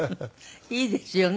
いいですよね